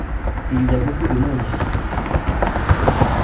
Il y a beaucoup de monde ici.